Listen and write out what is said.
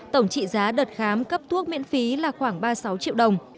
tổng trị giá đợt khám cấp thuốc miễn phí là khoảng ba mươi sáu triệu đồng